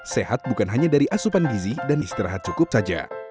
sehat bukan hanya dari asupan gizi dan istirahat cukup saja